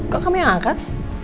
kok kamu yang angkat